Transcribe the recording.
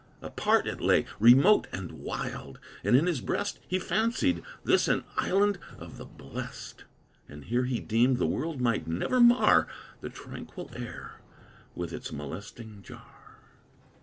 Apart It lay, remote and wild; and in his breast He fancied this an island of the blest; And here he deemed the world might never mar The tranquil air with its molesting jar.